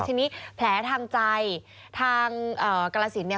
ทีนี้แผลทางใจทางกรสินเนี่ย